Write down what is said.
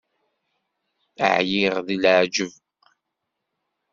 Ԑyiɣ d leεǧeb.